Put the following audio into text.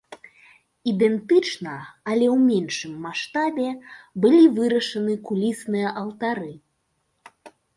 Ідэнтычна, але ў меншым маштабе, былі вырашаны кулісныя алтары.